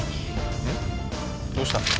どうした？